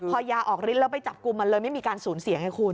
พอยาออกฤทธิแล้วไปจับกลุ่มมันเลยไม่มีการสูญเสียไงคุณ